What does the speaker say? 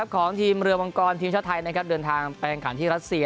ของทีมเรือวงกรทีมชาติไทยเดินทางไปกันที่ตะเซีย